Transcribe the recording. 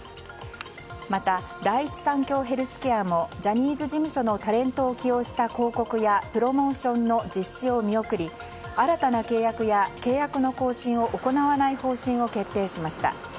また、第一三共ヘルスケアもジャニーズ事務所のタレントを起用した広告やプロモーションの実施を見送り新たな契約や契約の更新を行わない方針を決定しました。